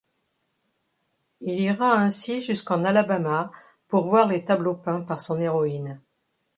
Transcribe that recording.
Il ira ainsi jusqu'en Alabama, pour voir les tableaux peints par son héroïne.